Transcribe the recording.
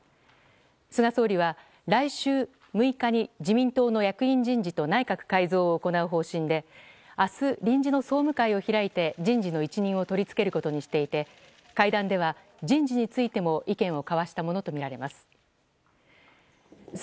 菅総理は、来週６日に自民党の役員人事と内閣改造を行う方針で明日、臨時の総務会を開いて人事の一任を取り付けることにしていて会談では人事についても意見を交わしたものとみられます。